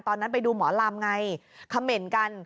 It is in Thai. ตอนนั้นไปดูหมอลำไงคำเหม็นกัน